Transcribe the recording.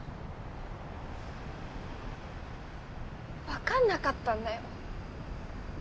分かんなかったんだよ